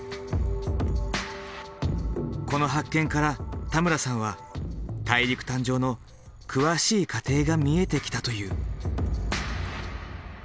この発見から田村さんは大陸誕生の詳しい過程が見えてきたという。